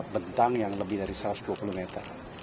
bentang yang lebih dari satu ratus dua puluh meter